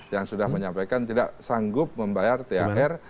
yang sudah menyampaikan tidak sanggup membayar thr